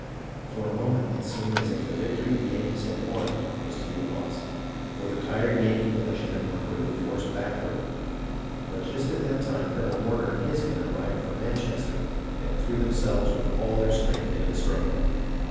For a moment it seemed as if the victory the Yankees had won was to be lost, for the tired Yankee militiamen were quickly forced backward ; but just at that time Colonel Warner and his men arrived from Manchester, and threw themselves with all their strength into the struggle.